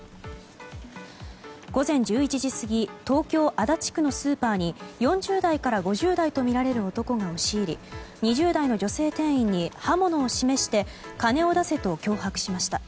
午前１１時過ぎ東京・足立区のスーパーに４０代から５０代とみられる男が押し入り２０代の女性店員に刃物を示して金を出せと脅迫しました。